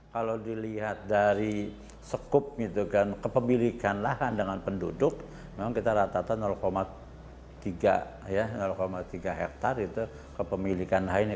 kalau dilihat dari sekup kepemilikan lahan dengan penduduk memang kita ratakan tiga hektare kepemilikan lahan ini